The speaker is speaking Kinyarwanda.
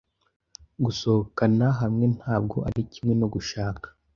Gusohokana hamwe ntabwo ari kimwe no gushaka.